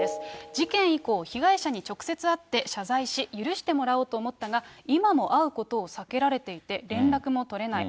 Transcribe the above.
事件以降、被害者に直接会って謝罪し、許してもらおうと思ったが今も会うことを避けられていて、連絡も取れない。